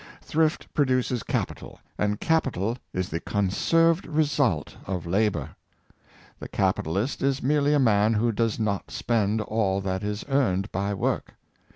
Thrift produces capital, and capital is the conserved result of labor. The capitalist is merely a man who does not spend all that is earned by work.